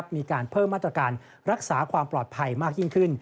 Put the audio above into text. มีการเพิ่มมาตรการรักษาความปลอดภัยมากยิ่งขึ้น